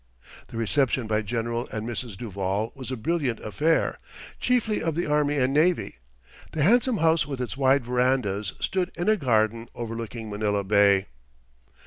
The reception by General and Mrs. Duvall was a brilliant affair, chiefly of the army and navy. The handsome house with its wide verandas stood in a garden overlooking Manila Bay.